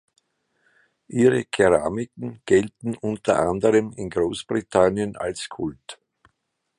Ihre Keramiken gelten unter anderem in Großbritannien als Kult.